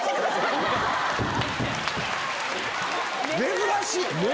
珍しい！